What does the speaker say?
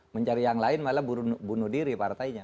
mencari yang lain malah bunuh diri partainya